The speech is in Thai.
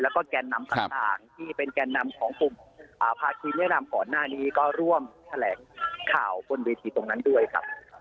แล้วก็แกนนำต่างที่เป็นแกนนำของกลุ่มภาคีเรียรำก่อนหน้านี้ก็ร่วมแถลงข่าวบนเวทีตรงนั้นด้วยครับ